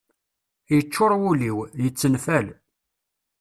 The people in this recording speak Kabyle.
Yeččur wul-iw, yettenfal